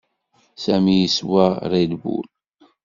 Sami yeswa Red Bull.